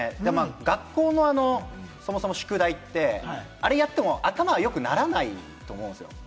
学校のそもそも宿題って、あれやっても、頭はよくならないと思うんですよ。